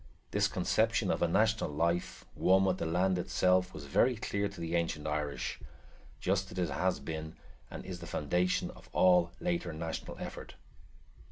This conception of a national life, one with the land itself, was very clear to the ancient Irish, just as it has been and is the foundation of all later national effort.